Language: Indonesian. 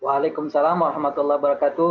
waalaikumsalam warahmatullahi wabarakatuh